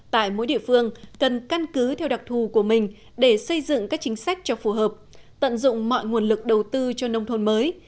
tại mỗi địa phương cần căn cứ theo đặc thù của mình để xây dựng các chính sách cho phù hợp tận dụng mọi nguồn lực đầu tư cho nông thôn mới